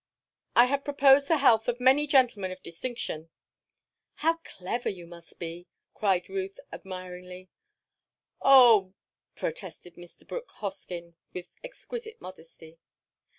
I have proposed the health of many gentlemen of distinction." "How clever you must be!" cried Ruth, admiringly. "Oh—!" protested Mr. Brooke Hoskyn, with exquisite modesty.